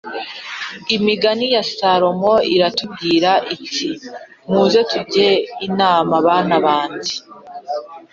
Imigani ya salomo iratubwira iti muze tujye inama bana banjye